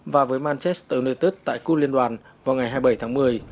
và với manchester united tại coupe liên hoàn vào ngày hai mươi bảy tháng một mươi